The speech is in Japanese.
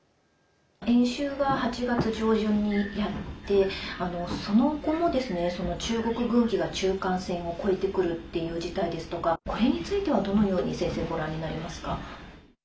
演習が８月上旬にやってその後もですね中国軍機が中間線を越えてくるっていう事態ですとかこれについては、どのように先生ご覧になりますか。